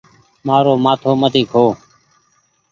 مآرو مآٿو مت کو۔